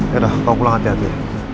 ya udah kamu pulang hati hati